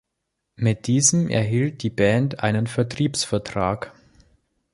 Mit diesem erhielt die Band einen Vertriebsvertrag.